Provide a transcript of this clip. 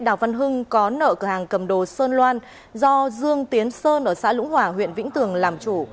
đào văn hưng có nợ cửa hàng cầm đồ sơn loan do dương tiến sơn ở xã lũng hỏa huyện vĩnh tường làm chủ